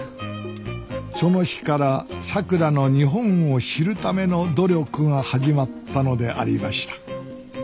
その日からさくらの日本を知るための努力が始まったのでありました。